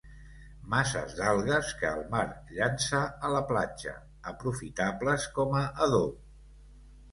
Masses d'algues que el mar llança a la platja, aprofitables com a adob.